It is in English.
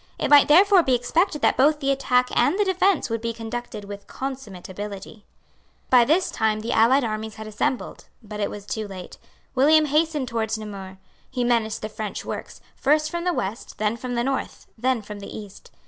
It might therefore be expected that both the attack and the defence would be conducted with consummate ability. By this time the allied armies had assembled; but it was too late. William hastened towards Namur. He menaced the French works, first from the west, then from the north, then from the east.